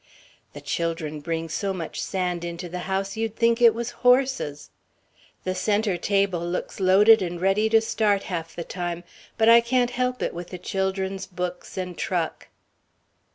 "The children bring so much sand into the house. You'd think it was horses." "... the center table looks loaded and ready to start half the time ... but I can't help it, with the children's books and truck."